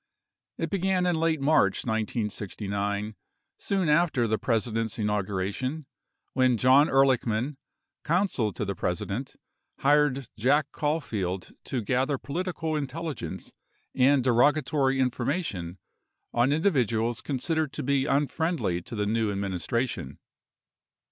It began in late March 1969, soon after the Presi dent's inauguration, when John Ehrlichman, counsel to the President, hired Jack Caulfield to gather political intelligence and derogatory information on individuals considered to be unfriendly to the neAV administration.